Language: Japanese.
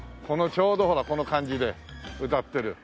ちょうどほらこの感じで歌ってる。